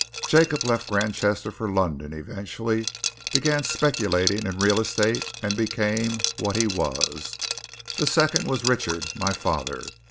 Jacob left Granchester for London, eventually began speculating in real estate, and became what he was. The second was Richard, my father.